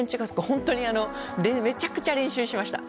本当にめちゃくちゃ練習しました。